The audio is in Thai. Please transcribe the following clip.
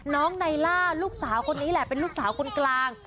นายล่าลูกสาวคนนี้แหละเป็นลูกสาวคนกลาง